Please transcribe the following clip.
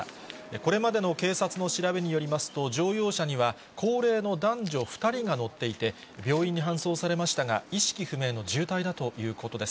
これまでの警察の調べによりますと、乗用車には高齢の男女２人が乗っていて、病院に搬送されましたが、意識不明の重体だということです。